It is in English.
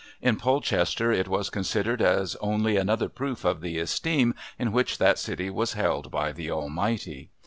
In Polchester it was considered as only another proof of the esteem in which that city was held by the Almighty.